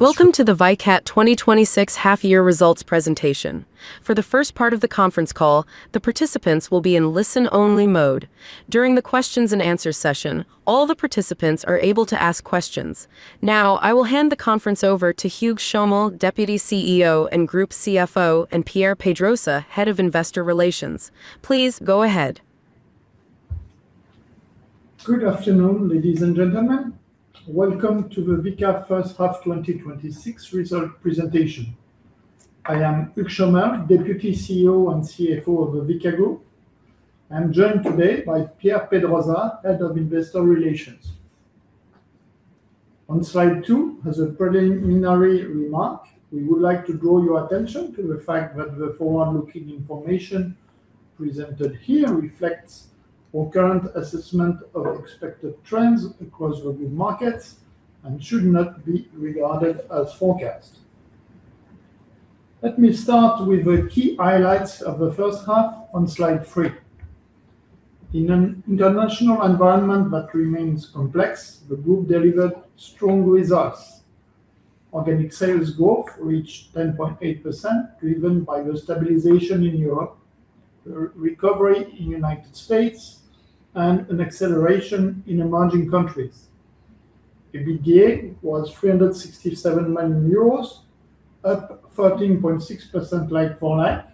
Welcome to the Vicat 2026 half-year results presentation. For the first part of the conference call, the participants will be in listen-only mode. During the questions and answers session, all the participants are able to ask questions. Now, I will hand the conference over to Hugues Chomel, Deputy CEO and Group CFO, and Pierre Pedrosa, Head of Investor Relations. Please go ahead. Good afternoon, ladies and gentlemen. Welcome to the Vicat first half 2026 result presentation. I am Hugues Chomel, Deputy CEO and CFO of the Vicat Group. I'm joined today by Pierre Pedrosa, Head of Investor Relations. On slide two, as a preliminary remark, we would like to draw your attention to the fact that the forward-looking information presented here reflects our current assessment of expected trends across the group markets and should not be regarded as forecast. Let me start with the key highlights of the first half on slide three. In an international environment that remains complex, the group delivered strong results. Organic sales growth reached 10.8%, driven by the stabilization in Europe, the recovery in the United States, and an acceleration in emerging countries. EBITDA was 367 million euros, up 13.6% like-for-like,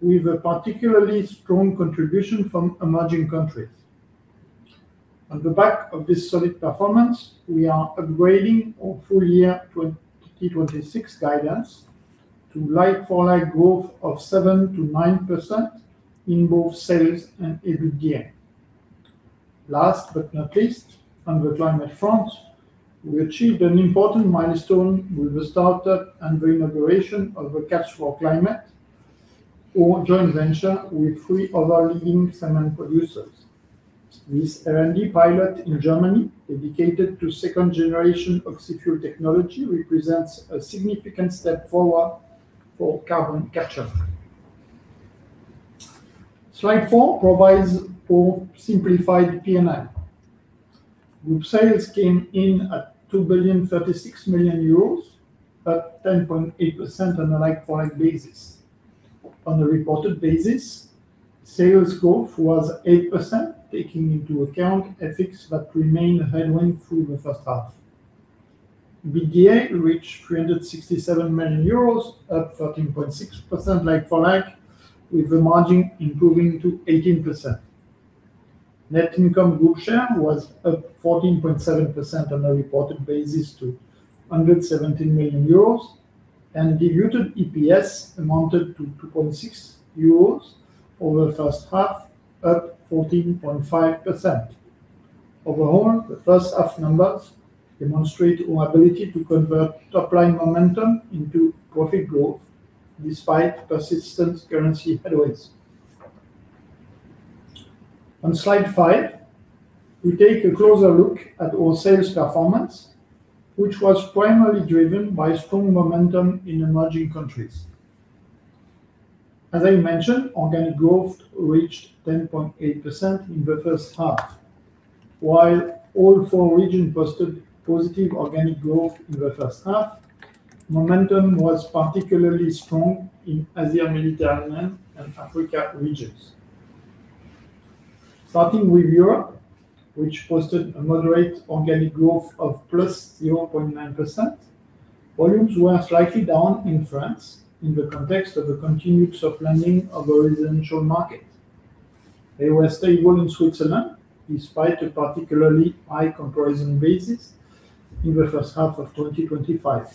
with a particularly strong contribution from emerging countries. On the back of this solid performance, we are upgrading our full year 2026 guidance to like-for-like growth of 7%-9% in both sales and EBITDA. Last but not least, on the climate front, we achieved an important milestone with the startup and the inauguration of the catch4climate, our joint venture with three other leading cement producers. This R&D pilot in Germany, dedicated to second generation of oxyfuel technology, represents a significant step forward for carbon capture. Slide four provides our simplified P&L. Group sales came in at 2.036 billion, up 10.8% on a like-for-like basis. On a reported basis, sales growth was 8%, taking into account FX that remained headwind through the first half. EBITDA reached EUR 367 million, up 13.6% like-for-like, with the margin improving to 18%. Net income group share was up 14.7% on a reported basis to 117 million euros. Diluted EPS amounted to 2.6 euros over the first half, up 14.5%. Overall, the first half numbers demonstrate our ability to convert top-line momentum into profit growth despite persistent currency headwinds. On slide five, we take a closer look at our sales performance, which was primarily driven by strong momentum in emerging countries. As I mentioned, organic growth reached 10.8% in the first half. While all four regions posted positive organic growth in the first half, momentum was particularly strong in Asia, Mediterranean, and Africa regions. Starting with Europe, which posted a moderate organic growth of plus 0.9%, volumes were slightly down in France in the context of the continued soft landing of the residential market. They were stable in Switzerland, despite a particularly high comparison basis in the first half of 2025.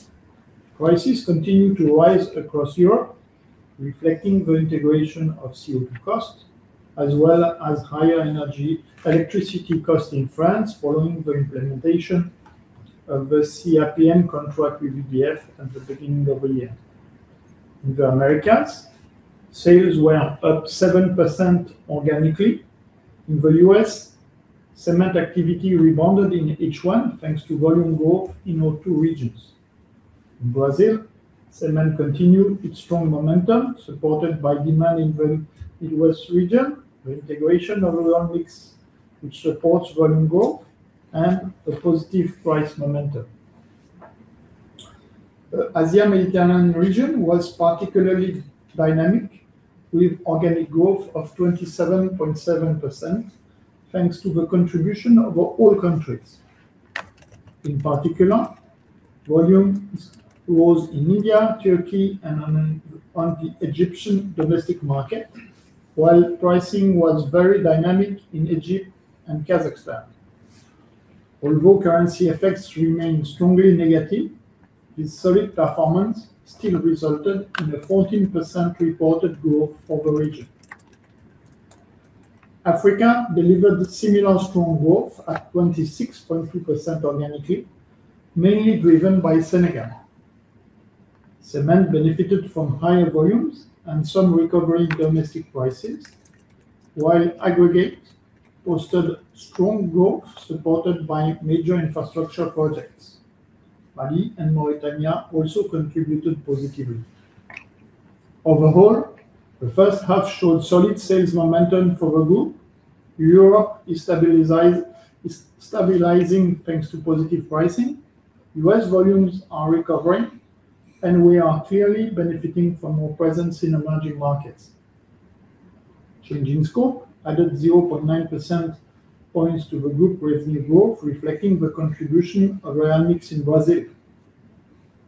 Prices continued to rise across Europe, reflecting the integration of CO2 cost, as well as higher energy electricity cost in France following the implementation of the CRPM contract with EDF at the beginning of the year. In the Americas, sales were up 7% organically. In the U.S., cement activity rebounded in H1, thanks to volume growth in our two regions. In Brazil, cement continued its strong momentum, supported by demand in the U.S. region, the integration of Realmix, which supports volume growth, and the positive price momentum. Asia/Mediterranean region was particularly dynamic, with organic growth of 27.7%, thanks to the contribution of all countries. In particular, volumes rose in India, Turkey, and on the Egyptian domestic market, while pricing was very dynamic in Egypt and Kazakhstan. Although currency effects remain strongly negative, this solid performance still resulted in a 14% reported growth for the region. Africa delivered similar strong growth at 26.3% organically, mainly driven by Senegal. Cement benefited from higher volumes and some recovery in domestic prices, while aggregate posted strong growth supported by major infrastructure projects. Mali and Mauritania also contributed positively. Overall, the first half showed solid sales momentum for the group. Europe is stabilizing thanks to positive pricing. U.S. volumes are recovering, and we are clearly benefiting from our presence in emerging markets. Change in scope added 0.9% points to the group revenue growth, reflecting the contribution of ceramics in Brazil.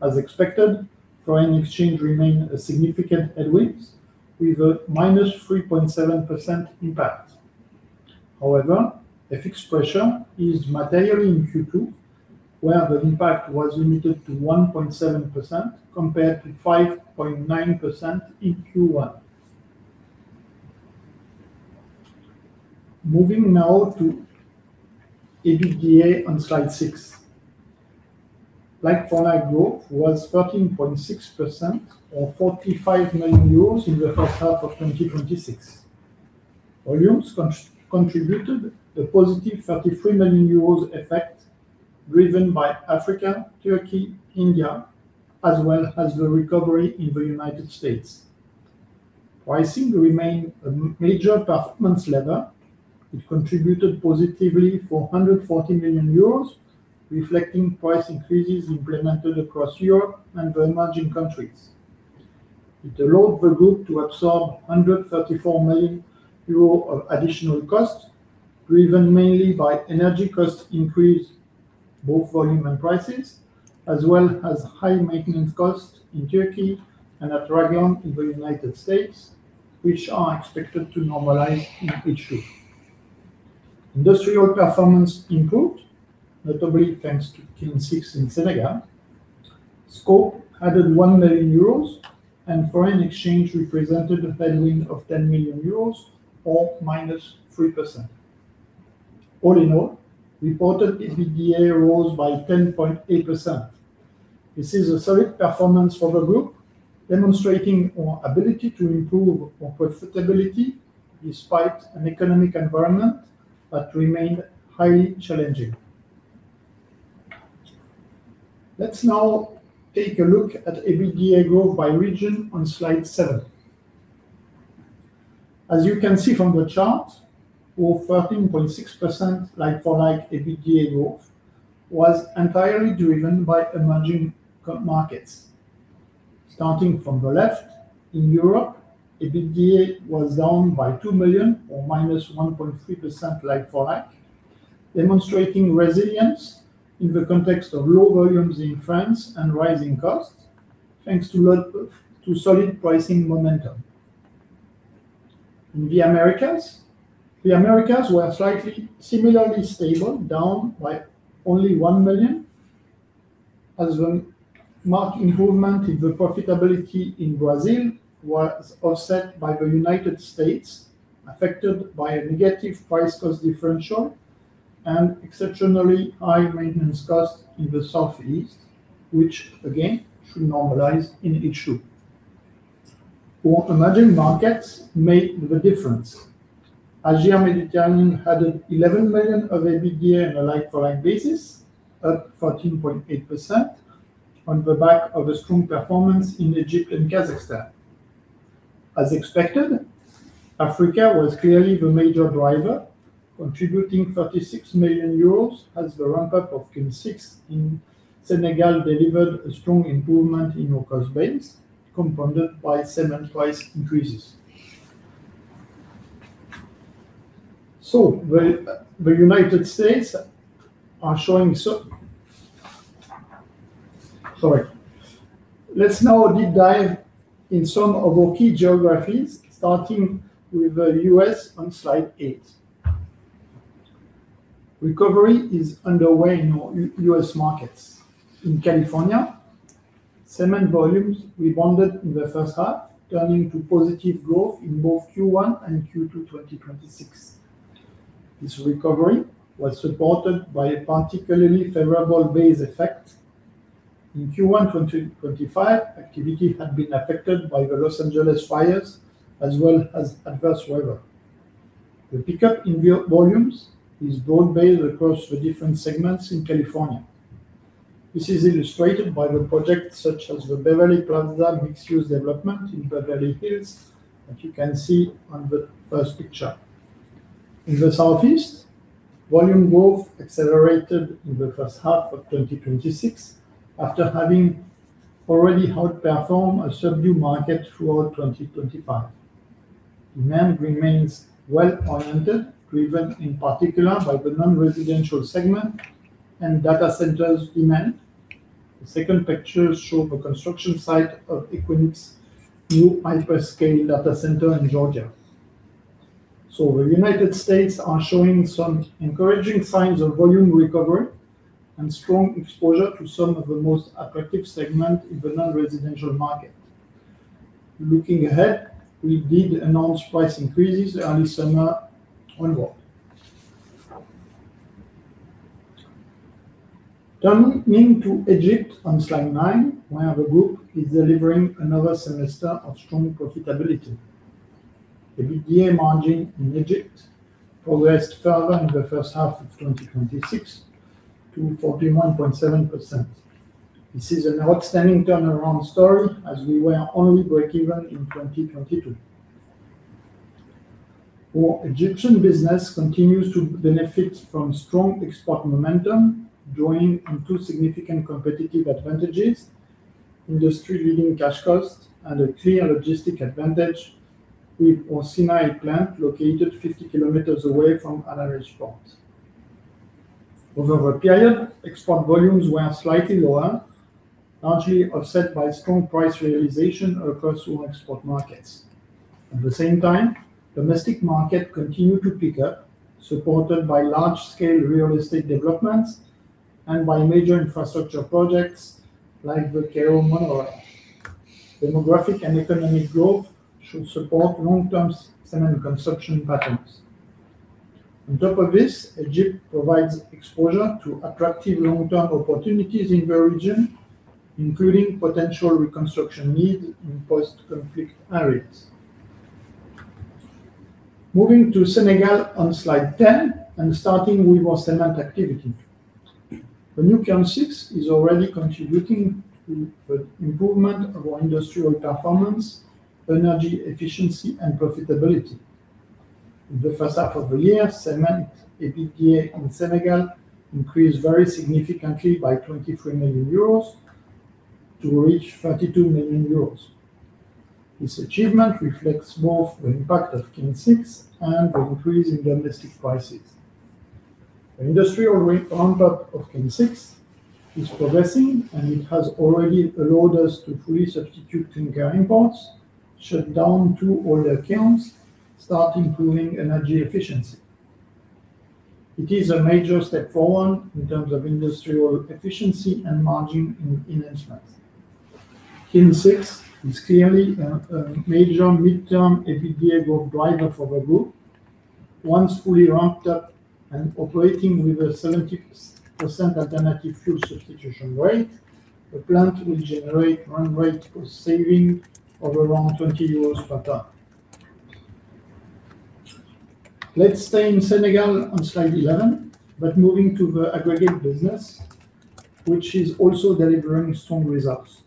As expected, foreign exchange remained a significant headwind, with a -3.7% impact. FX pressure eased materially in Q2, where the impact was limited to 1.7% compared to 5.9% in Q1. Moving now to EBITDA on slide six. Like-for-like growth was 13.6% or 45 million euros in the first half of 2026. Volumes contributed a positive 33 million euros effect driven by Africa, Turkey, India, as well as the recovery in the U.S. Pricing remained a major performance lever. It contributed positively for 140 million euros, reflecting price increases implemented across Europe and the emerging countries. It allowed the group to absorb 134 million euro of additional costs, driven mainly by energy cost increase, both volume and prices, as well as high maintenance costs in Turkey and at Dragon in the U.S., which are expected to normalize in H2. Industrial performance improved, notably thanks to Kiln 6 in Senegal. Scope added 1 million euros, and foreign exchange represented a tailwind of 10 million euros or -3%. All in all, reported EBITDA rose by 10.8%. This is a solid performance for the group, demonstrating our ability to improve our profitability despite an economic environment that remained highly challenging. Let's now take a look at EBITDA growth by region on slide seven. As you can see from the chart, our 13.6% like-for-like EBITDA growth was entirely driven by emerging markets. Starting from the left, in Europe, EBITDA was down by 2 million or -1.3% like-for-like, demonstrating resilience in the context of low volumes in France and rising costs, thanks to solid pricing momentum. In the Americas, the Americas were slightly similarly stable, down by only 1 million, as a marked improvement in the profitability in Brazil was offset by the U.S., affected by a negative price-cost differential and exceptionally high maintenance cost in the Southeast, which again should normalize in H2. Our emerging markets made the difference. Asia/Mediterranean added 11 million of EBITDA on a like-for-like basis, up 14.8%, on the back of a strong performance in Egypt and Kazakhstan. As expected, Africa was clearly the major driver, contributing 36 million euros as the ramp-up of Kiln 6 in Senegal delivered a strong improvement in our cost base, compounded by cement price increases. Sorry. Let's now deep dive in some of our key geographies, starting with the U.S. on slide eight. Recovery is underway in U.S. markets. In California, cement volumes rebounded in the first half, turning to positive growth in both Q1 and Q2 2026. This recovery was supported by a particularly favorable base effect. In Q1 2025, activity had been affected by the Los Angeles fires as well as adverse weather. The pickup in volumes is broad-based across the different segments in California. This is illustrated by the projects such as the Beverly Plaza mixed-use development in Beverly Hills that you can see on the first picture. In the Southeast, volume growth accelerated in the first half of 2026 after having already outperformed a subdued market throughout 2025. Demand remains well-oriented, driven in particular by the non-residential segment and data centers demand. The second picture show the construction site of Equinix new hyperscale data center in Georgia. The United States are showing some encouraging signs of volume recovery and strong exposure to some of the most attractive segment in the non-residential market. Looking ahead, we did announce price increases early summer onward. Turning to Egypt on slide nine, where the group is delivering another semester of strong profitability. The EBITDA margin in Egypt progressed further in the first half of 2026 to 41.7%. This is an outstanding turnaround story as we were only breakeven in 2022. Our Egyptian business continues to benefit from strong export momentum, drawing on two significant competitive advantages: industry-leading cash cost and a clear logistic advantage with our Sinai plant located 50 km way from El Arish port. Over the period, export volumes were slightly lower, largely offset by strong price realization across our export markets. At the same time, domestic market continued to pick up, supported by large-scale real estate developments and by major infrastructure projects like the Cairo Monorail. Demographic and economic growth should support long-term cement consumption patterns. On top of this, Egypt provides exposure to attractive long-term opportunities in the region, including potential reconstruction need in post-conflict areas. Moving to Senegal on slide 10 and starting with our cement activity. The new Kiln 6 is already contributing to the improvement of our industrial performance, energy efficiency, and profitability. In the first half of the year, cement EBITDA in Senegal increased very significantly by 23 million euros to reach 32 million euros. This achievement reflects more of the impact of Kiln 6 and the increase in domestic prices. The industrial ramp-up of Kiln 6 is progressing, and it has already allowed us to fully substitute incoming imports, shut down two older kilns, start improving energy efficiency. It is a major step forward in terms of industrial efficiency and margin enhancements. Kiln 6 is clearly a major midterm EBITDA growth driver for the group. Once fully ramped up and operating with a 70% alternative fuel substitution rate, the plant will generate run rate cost saving of around 20 euros per ton. Let's stay in Senegal on slide 11, but moving to the aggregate business, which is also delivering strong results.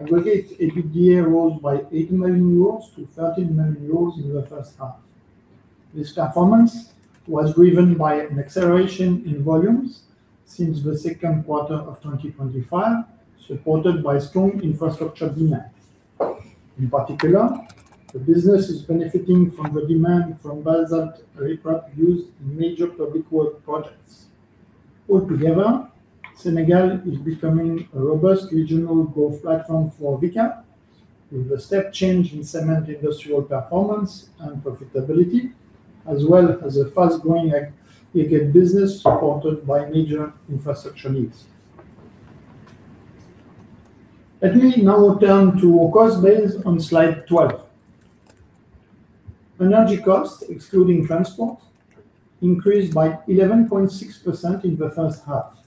Aggregate EBITDA rose by 8 million euros to 13 million euros in the first half. This performance was driven by an acceleration in volumes since the second quarter of 2025, supported by strong infrastructure demand. In particular, the business is benefiting from the demand from basalt riprap used in major public work projects. Altogether, Senegal is becoming a robust regional growth platform for Vicat with a step change in cement industrial performance and profitability, as well as a fast-growing aggregate business supported by major infrastructure needs. Let me now turn to our cost base on slide 12. Energy cost, excluding transport, increased by 11.6% in the first half.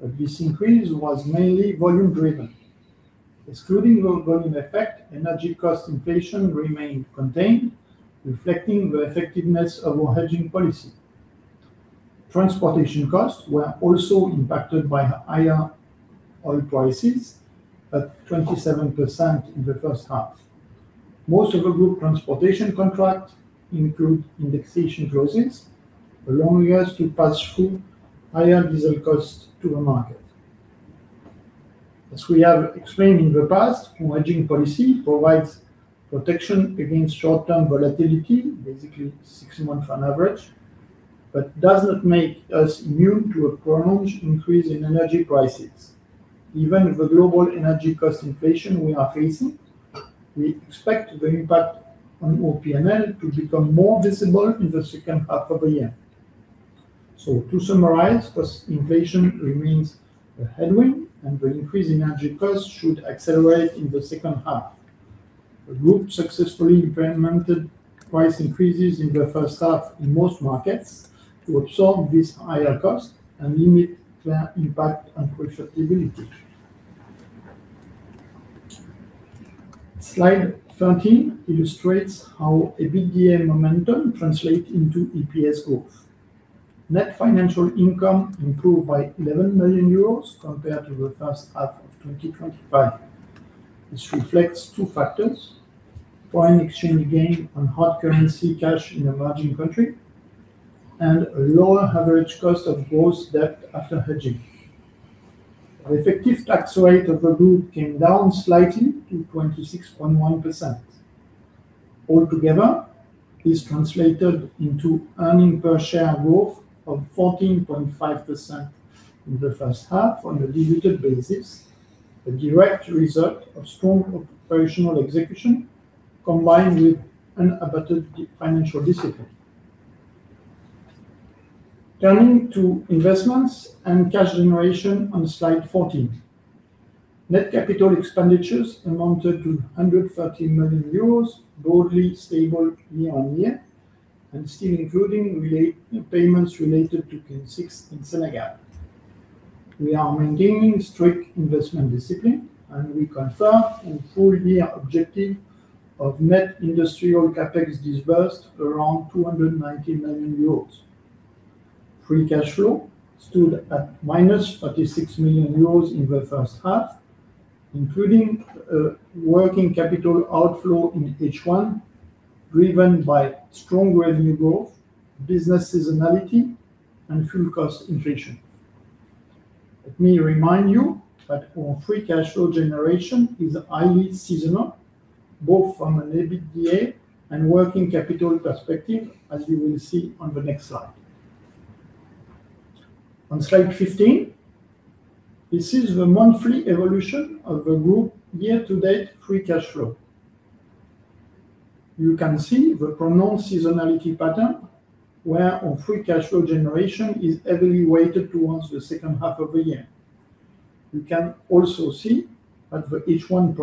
This increase was mainly volume-driven. Excluding the volume effect, energy cost inflation remained contained, reflecting the effectiveness of our hedging policy. Transportation costs were also impacted by higher oil prices at 27% in the first half. Most of the group transportation contracts include indexation clauses, allowing us to pass through higher diesel costs to the market. As we have explained in the past, our hedging policy provides protection against short-term volatility, basically six months on average, but does not make us immune to a prolonged increase in energy prices. Given the global energy cost inflation we are facing, we expect the impact on our P&L to become more visible in the second half of the year. To summarize, cost inflation remains a headwind, and the increase in energy costs should accelerate in the second half. The group successfully implemented price increases in the first half in most markets to absorb these higher costs and limit their impact on profitability. Slide 13 illustrates how EBITDA momentum translate into EPS growth. Net financial income improved by 11 million euros compared to the first half of 2025. This reflects two factors: foreign exchange gain on hard currency cash in emerging country, and a lower average cost of gross debt after hedging. Our effective tax rate of the group came down slightly to 26.1%. Altogether, this translated into earning per share growth of 14.5% in the first half on a diluted basis, a direct result of strong operational execution combined with unabated financial discipline. Turning to investments and cash generation on slide 14. Net capital expenditures amounted to 113 million euros, broadly stable year-on-year, and still including payments related to Kiln 6 in Senegal. We are maintaining strict investment discipline, and we confirm in full the objective of net industrial CapEx dispersed around 290 million euros. Free cash flow stood at -36 million euros in the first half, including working capital outflow in H1, driven by strong revenue growth, business seasonality, and fuel cost inflation. Let me remind you that our free cash flow generation is highly seasonal, both from an EBITDA and working capital perspective, as you will see on the next slide. On slide 15, this is the monthly evolution of the group year-to-date free cash flow. You can see the pronounced seasonality pattern, where our free cash flow generation is heavily weighted towards the second half of the year. You can also see that the H1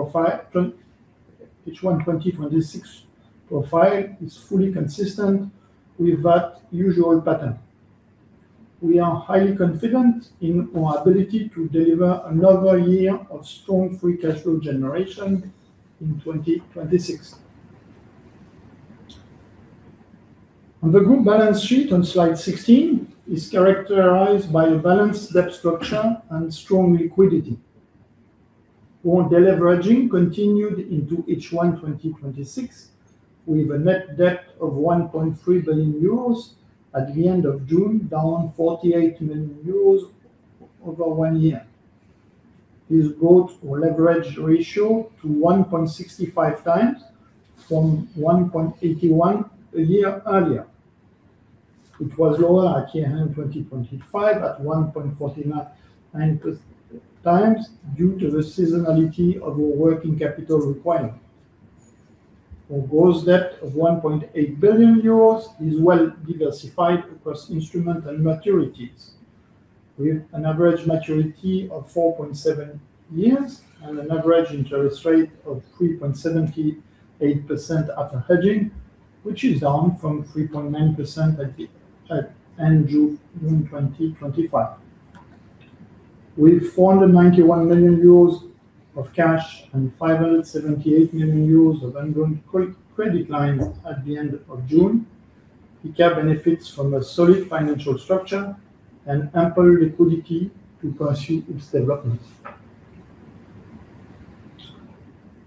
2026 profile is fully consistent with that usual pattern. We are highly confident in our ability to deliver another year of strong free cash flow generation in 2026. The group balance sheet on slide 16, is characterized by a balanced debt structure and strong liquidity. Our deleveraging continued into H1 2026, with a net debt of 1.3 billion euros at the end of June, down 48 million euros over one year. This brought our leverage ratio to 1.65x from 1.81x a year earlier. It was lower at year-end 2025 at 1.49x due to the seasonality of our working capital requirement. Our gross debt of 1.8 billion euros is well diversified across instrument and maturities, with an average maturity of 4.7 years and an average interest rate of 3.78% after hedging, which is down from 3.9% at end June 2025. With 491 million euros of cash and 578 million euros of undrawn credit lines at the end of June, Vicat benefits from a solid financial structure and ample liquidity to pursue its development.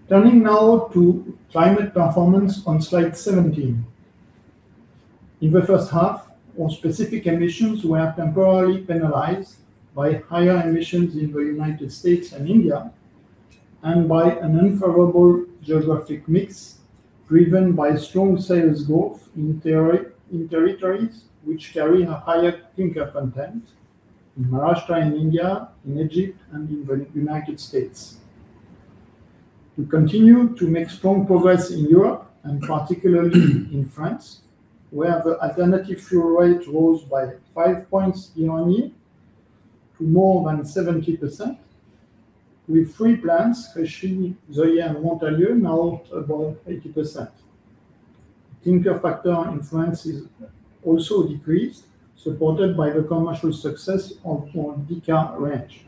Turning now to climate performance on slide 17. In the first half, our specific emissions were temporarily penalized by higher emissions in the U.S. and India, and by an unfavorable geographic mix driven by strong sales growth in territories which carry a higher clinker content in Maharashtra, in India, in Egypt and in the U.S. We continue to make strong progress in Europe and particularly in France, where the alternative fuel rate rose by five points year-on-year to more than 70%, with three plants, Créchy, Xeuilley, and Montalieu, now above 80%. Clinker factor in France is also decreased, supported by the commercial success of our DECA range.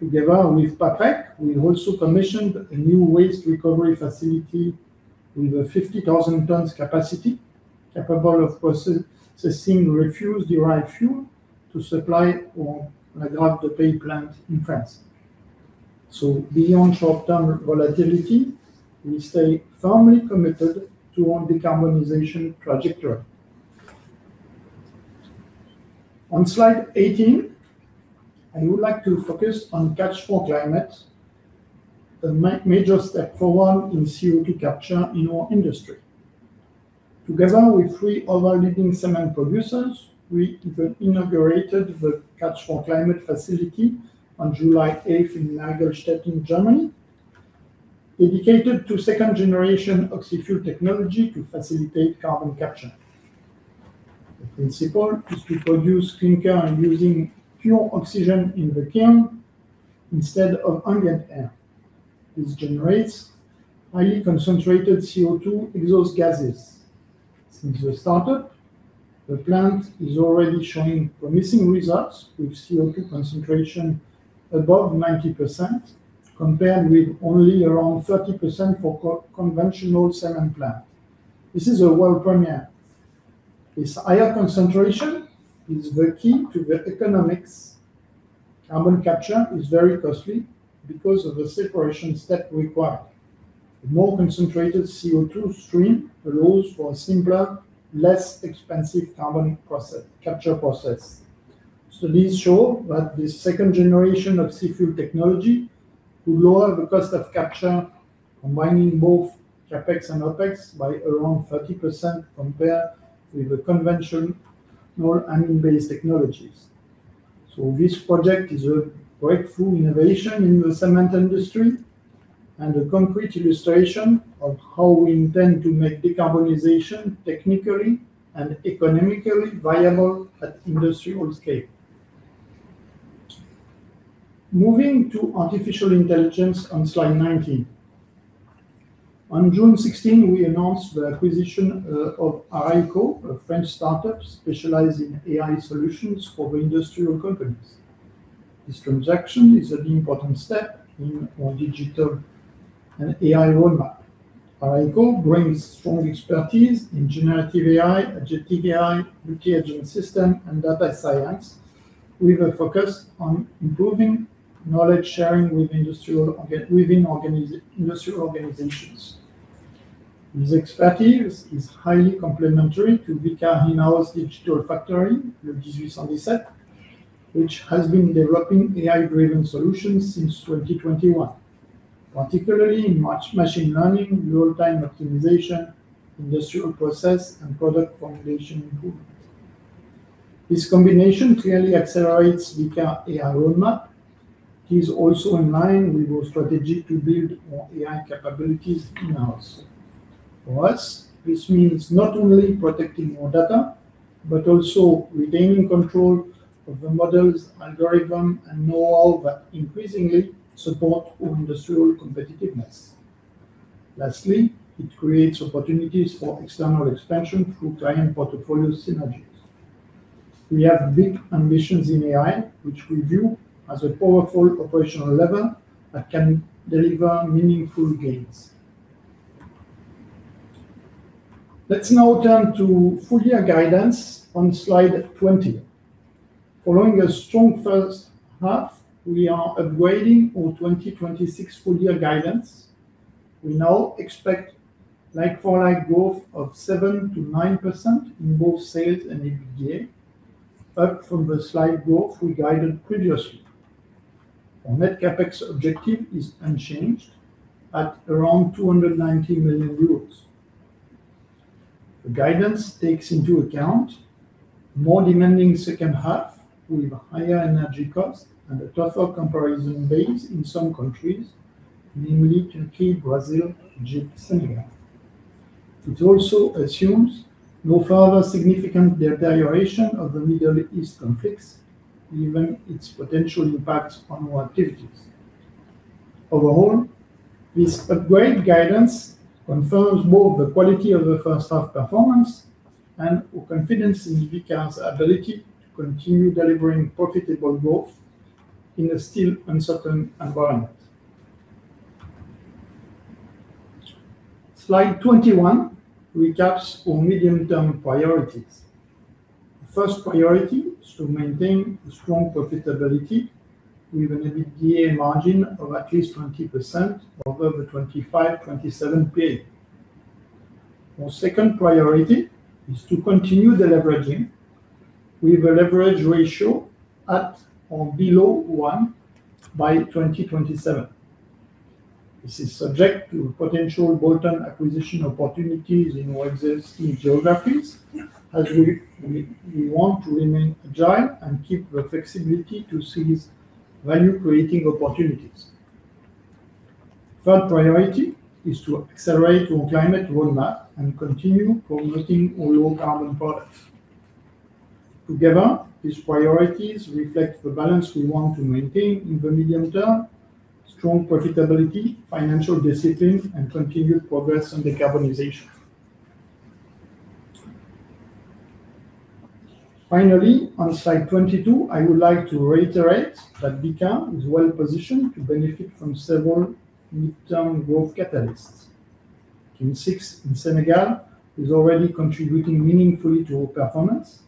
Together with Paprec, we also commissioned a new waste recovery facility with a 50,000 tons capacity, capable of processing refuse-derived fuel to supply our La Grave-de-Peille plant in France. Beyond short-term volatility, we stay firmly committed to our decarbonization trajectory. On slide 18, I would like to focus on Catch4climate, a major step forward in CO2 capture in our industry. Together with three other leading cement producers, we inaugurated the Catch4climate facility on July 8th in Mergelstetten in Germany, dedicated to second-generation oxy-fuel technology to facilitate carbon capture. The principle is to produce clinker using pure oxygen in the kiln instead of ambient air. This generates highly concentrated CO2 exhaust gases. Since the startup, the plant is already showing promising results with CO2 concentration above 90%, compared with only around 30% for conventional cement plant. This is a world premiere. This higher concentration is the key to the economics. Carbon capture is very costly because of the separation step required. The more concentrated CO2 stream allows for a simpler, less expensive carbon capture process. Studies show that this second generation of oxy-fuel technology could lower the cost of capture, combining both CapEx and OpEx, by around 30% compared with the conventional amine-based technologies. This project is a breakthrough innovation in the cement industry and a concrete illustration of how we intend to make decarbonization technically and economically viable at industrial scale. Moving to artificial intelligence on slide 19. On June 16, we announced the acquisition of Araïko, a French startup specialized in AI solutions for industrial companies. This transaction is an important step in our digital and AI roadmap. Araïko brings strong expertise in generative AI, agentic AI, multi-agent system, and data science with a focus on improving knowledge sharing within industrial organizations. This expertise is highly complementary to Vicat in-house digital factory, le1817, which has been developing AI-driven solutions since 2021, particularly in machine learning, real-time optimization, industrial process, and product formulation improvement. This combination clearly accelerates Vicat AI roadmap. It is also in line with our strategy to build more AI capabilities in-house. For us, this means not only protecting our data, but also retaining control of the models, algorithm, and know-how that increasingly support our industrial competitiveness. Lastly, it creates opportunities for external expansion through client portfolio synergies. We have big ambitions in AI, which we view as a powerful operational lever that can deliver meaningful gains. Let's now turn to full-year guidance on slide 20. Following a strong first half, we are upgrading our 2026 full-year guidance. We now expect like-for-like growth of 7%-9% in both sales and EBITDA, up from the slight growth we guided previously. Our net CapEx objective is unchanged at around 290 million euros. The guidance takes into account more demanding second half with higher energy costs and a tougher comparison base in some countries, namely Turkey, Brazil, Egypt, Senegal. It also assumes no further significant deterioration of the Middle East conflicts, given its potential impact on our activities. Overall, this upgrade guidance confirms both the quality of the first half performance and our confidence in Vicat's ability to continue delivering profitable growth in a still uncertain environment. Slide 21 recaps our medium-term priorities. The first priority is to maintain a strong profitability with an EBITDA margin of at least 20% over the 2025-2027 period. Our second priority is to continue deleveraging with a leverage ratio at or below one by 2027. This is subject to potential bolt-on acquisition opportunities in our existing geographies as we want to remain agile and keep the flexibility to seize value-creating opportunities. Third priority is to accelerate our climate roadmap and continue promoting our low-carbon products. Together, these priorities reflect the balance we want to maintain in the medium term: strong profitability, financial discipline, and continued progress on decarbonization. Finally, on slide 22, I would like to reiterate that Vicat is well positioned to benefit from several midterm growth catalysts. Kiln 6 in Senegal is already contributing meaningfully to our performance.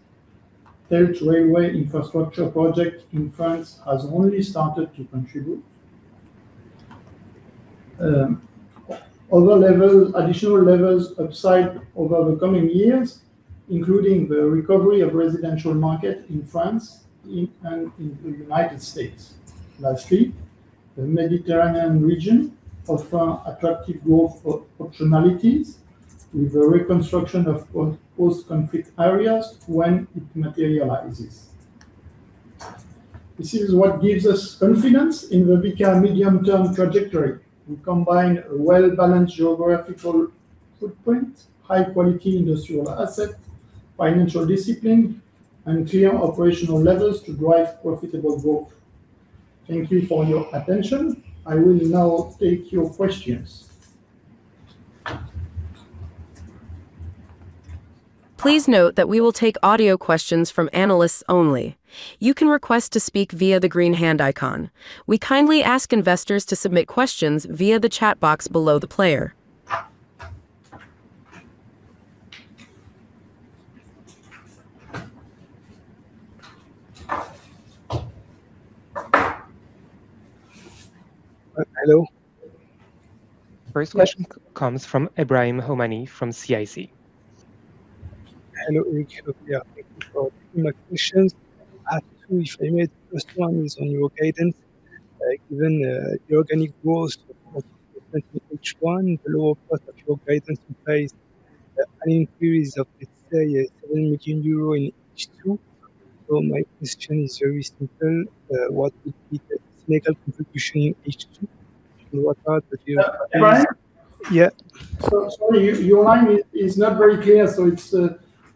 Third railway infrastructure project in France has only started to contribute. Additional levers upside over the coming years, including the recovery of residential market in France and in the U.S. Lastly, the Mediterranean region offer attractive growth optionalities with the reconstruction of post-conflict areas when it materializes. This is what gives us confidence in the Vicat medium-term trajectory. We combine a well-balanced geographical footprint, high-quality industrial asset, financial discipline, and clear operational levers to drive profitable growth. Thank you for your attention. I will now take your questions. Please note that we will take audio questions from analysts only. You can request to speak via the green hand icon. We kindly ask investors to submit questions via the chat box below the player. Hello? First question comes from Ebrahim Homani from CIC. Ebrahim? Yeah. Sorry, your line is not very clear, so it's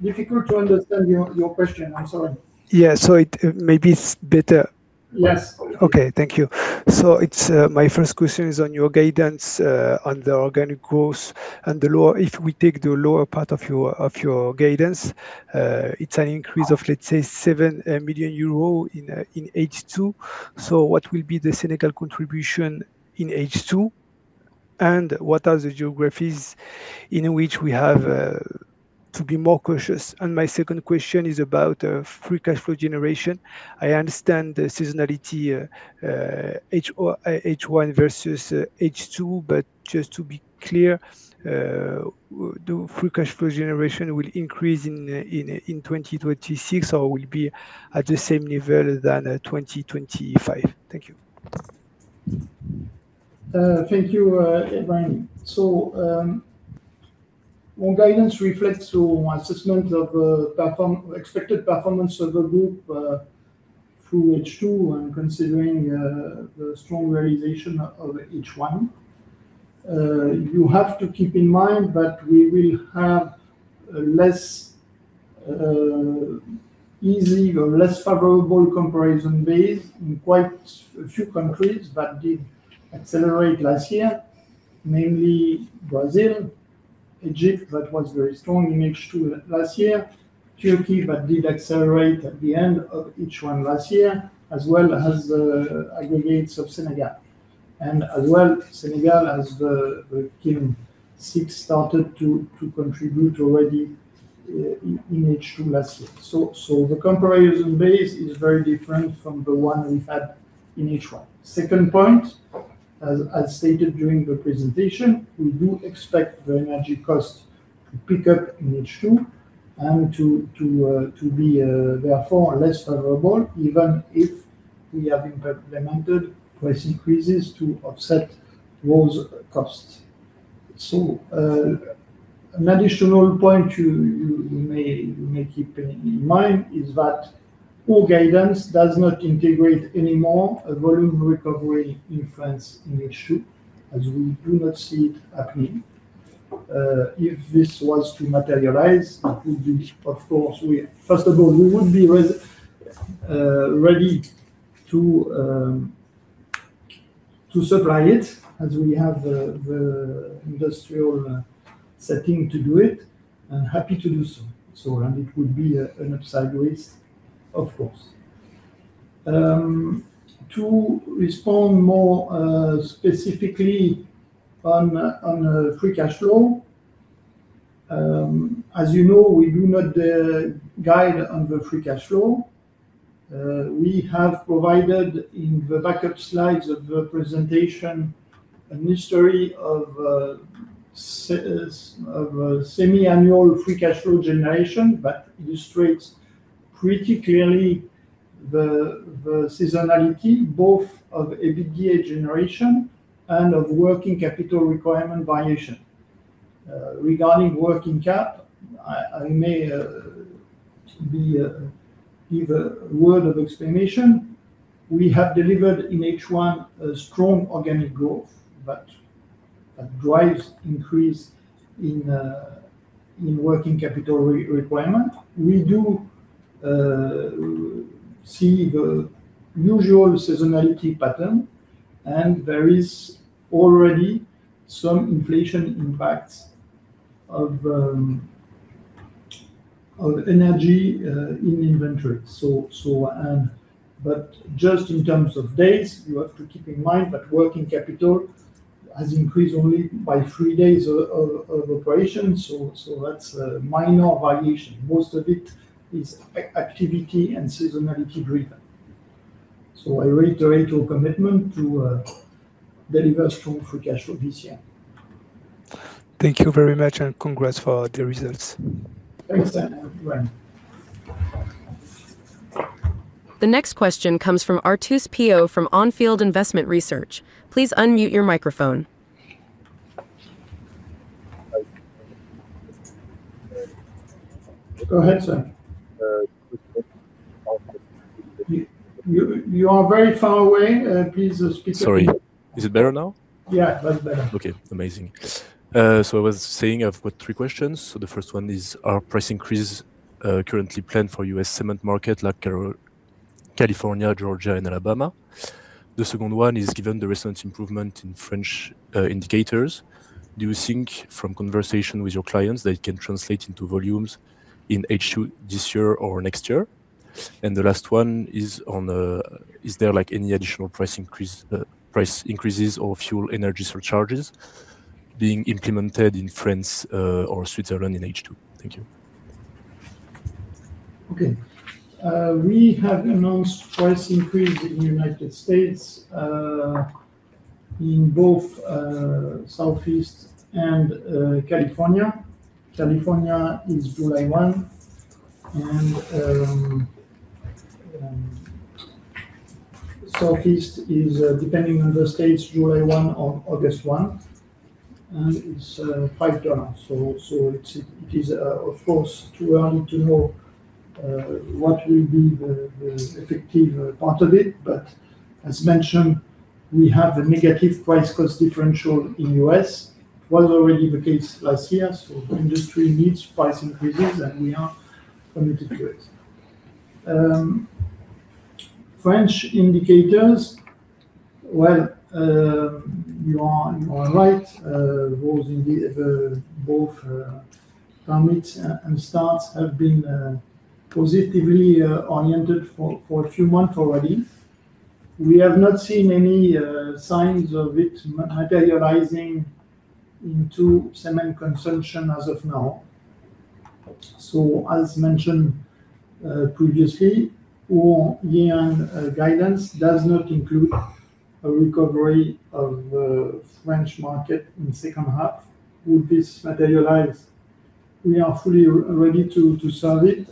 difficult to understand your question. I'm sorry. Yeah, maybe it's better Yes. Okay, thank you. My first question is on your guidance on the organic growth and if we take the lower part of your guidance, it is an increase of, let's say, 7 million euro in H2. What will be the Senegal contribution in H2? What are the geographies in which we have to be more cautious? My second question is about free cash flow generation. I understand the seasonality H1 versus H2, but just to be clear, the free cash flow generation will increase in 2026 or will be at the same level than 2025. Thank you. Thank you, Ebrahim. Our guidance reflects our assessment of expected performance of the group through H2 and considering the strong realization of H1. You have to keep in mind that we will have less easy or less favorable comparison base in quite a few countries that did accelerate last year, namely Brazil, Egypt, that was very strong in H2 last year. Turkey, that did accelerate at the end of H1 last year, as well as aggregates of Senegal. As well, Senegal, as the Kiln 6 started to contribute already in H2 last year. The comparison base is very different from the one we had in H1. Second point, as stated during the presentation, we do expect the energy cost to pick up in H2 and to be therefore less favorable even if we have implemented price increases to offset those costs. An additional point you may keep in mind is that our guidance does not integrate any more volume recovery in France in H2, as we do not see it happening. If this was to materialize, it would be, of course, first of all, we would be ready to supply it as we have the industrial setting to do it and happy to do so. It would be an upside risk, of course. To respond more specifically on free cash flow. As you know, we do not guide on the free cash flow. We have provided in the backup slides of the presentation, a history of semiannual free cash flow generation that illustrates pretty clearly the seasonality, both of EBITDA generation and of working capital requirement variation. Regarding working cap, I may give a word of explanation. We have delivered in H1 a strong organic growth, that drives increase in working capital requirement. We do see the usual seasonality pattern, there is already some inflation impacts of energy in inventory. Just in terms of days, you have to keep in mind that working capital has increased only by three days of operation. That's a minor variation. Most of it is activity and seasonality driven. I reiterate our commitment to deliver strong free cash flow this year. Thank you very much and congrats for the results. Thanks, Ebrahim. The next question comes from Arthus Piot from On Field Investment Research. Please unmute your microphone. Go ahead, sir. You are very far away. Please speak up. Sorry. Is it better now? Yeah, that's better. Okay. Amazing. I was saying I've got three questions. The first one is, are price increases currently planned for U.S. cement market like California, Georgia, and Alabama? The second one is, given the recent improvement in French indicators, do you think from conversation with your clients, they can translate into volumes in H2 this year or next year? The last one is there any additional price increases or fuel energy surcharges being implemented in France or Switzerland in H2? Thank you. Okay. We have announced price increase in the U.S., in both Southeast and California. California is July 1, and Southeast is, depending on the states, July 1 or August 1, and it is $5. It is of course too early to know what will be the effective part of it. As mentioned, we have a negative price-cost differential in U.S. It was already the case last year, the industry needs price increases, and we are committed to it. French indicators, well, you are right. Both permits and starts have been positively oriented for a few months already. We have not seen any signs of it materializing into cement consumption as of now. As mentioned previously, our year-end guidance does not include a recovery of the French market in the second half. Would this materialize, we are fully ready to serve it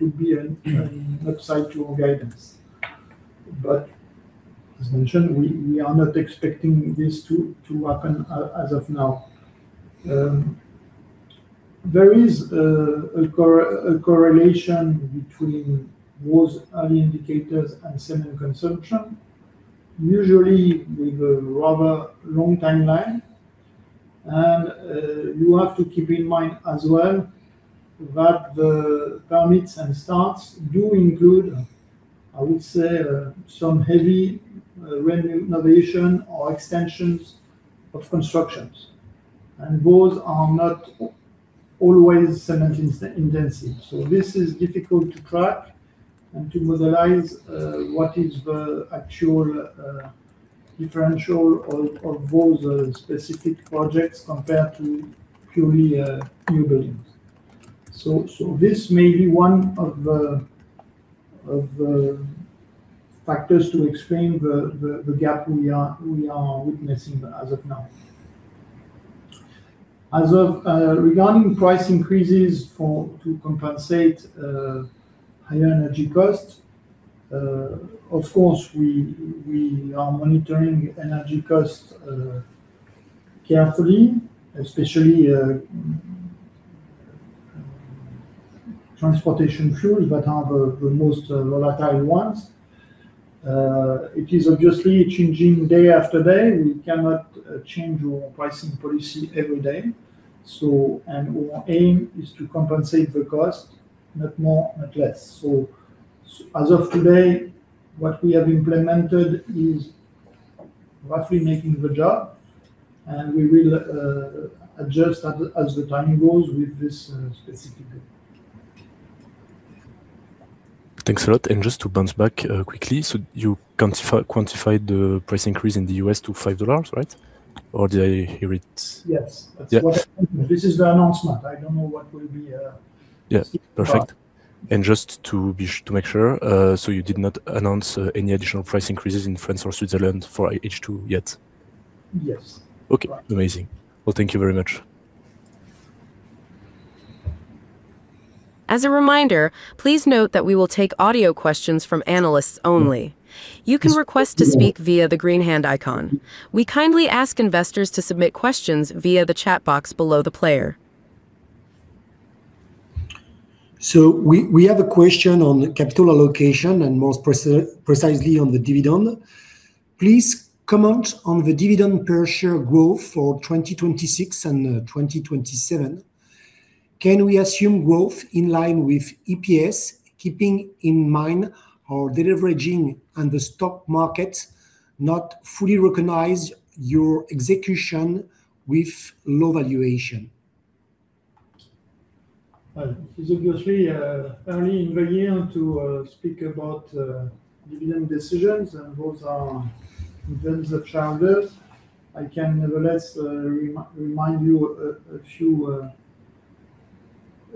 would be an upside to our guidance. As mentioned, we are not expecting this to happen as of now. There is a correlation between those early indicators and cement consumption, usually with a rather long timeline. You have to keep in mind as well that the permits and starts do include, I would say, some heavy renovation or extensions of constructions. Those are not always cement intensive. This is difficult to track and to modelize what is the actual differential of those specific projects compared to purely new buildings. This may be one of the factors to explain the gap we are witnessing as of now. Regarding price increases to compensate higher energy costs, of course, we are monitoring energy costs carefully, especially transportation fuels that are the most volatile ones. It is obviously changing day after day. We cannot change our pricing policy every day. Our aim is to compensate the cost, not more, not less. As of today, what we have implemented is roughly making the job, and we will adjust as the timing goes with this specifically. Thanks a lot. Just to bounce back quickly, you quantified the price increase in the U.S. to $5, right? Yes. Yeah. This is the announcement. I don't know what will be. Yes. Perfect. Just to make sure, you did not announce any additional price increases in France or Switzerland for H2 yet? Yes. Okay. Amazing. Well, thank you very much. As a reminder, please note that we will take audio questions from analysts only. You can request to speak via the green hand icon. We kindly ask investors to submit questions via the chat box below the player. We have a question on capital allocation, and more precisely on the dividend. Please comment on the dividend per share growth for 2026 and 2027. Can we assume growth in line with EPS, keeping in mind our deleveraging and the stock market not fully recognize your execution with low valuation? It is obviously early in the year to speak about dividend decisions, and those are in terms of charters. I can, nevertheless, remind you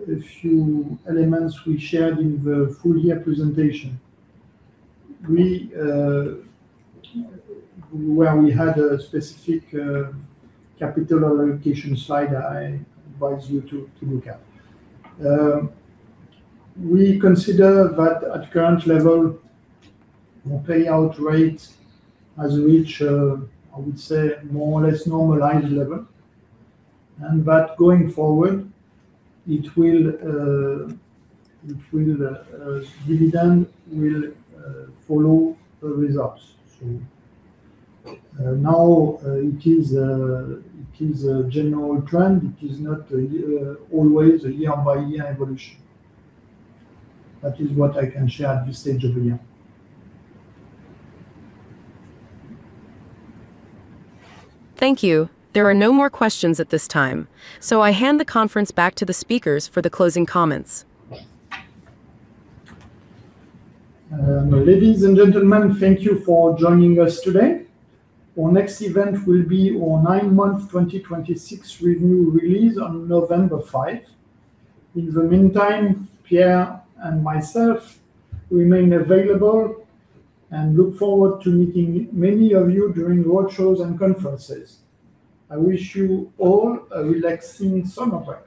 a few elements we shared in the full year presentation, where we had a specific capital allocation slide I advise you to look at. We consider that at current level, our payout rates has reached, I would say, more or less normalized level. Going forward, dividend will follow the results. Now it is a general trend. It is not always a year-by-year evolution. That is what I can share at this stage of the year. Thank you. There are no more questions at this time. I hand the conference back to the speakers for the closing comments. Ladies and gentlemen, thank you for joining us today. Our next event will be our nine-month 2026 review release on November 5th. In the meantime, Pierre and myself remain available and look forward to meeting many of you during roadshows and conferences. I wish you all a relaxing summer break.